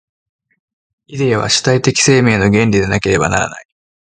イデヤは主体的生命の原理でなければならない。